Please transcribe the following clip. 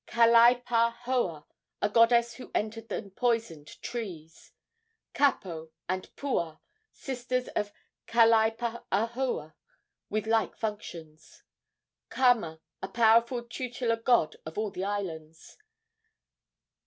Kalaipahoa, a goddess who entered and poisoned trees. Kapo and Pua, sisters of Kalaipahoa, with like functions. Kama, a powerful tutelar god of all the islands.